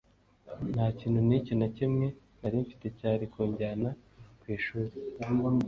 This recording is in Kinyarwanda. nta kintu n’iki na kimwe nari mfite cyari kunjyana ku ishuli